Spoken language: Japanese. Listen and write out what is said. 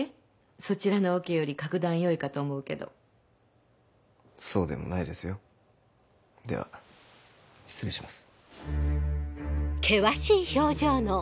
そちらのオケより格段良いかと思うけどそうでもないですよでは失礼します